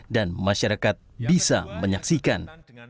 dan masyarakat bisa menyaksikan